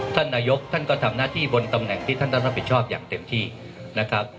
ท่านนายกท่านก็ทำหน้าที่บนตำแหน่งที่ท่านต้องรับผิดชอบอย่างเต็มที่นะครับ